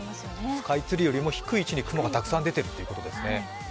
スカイツリーよりも低い位置に雲がたくさん出ているということですね。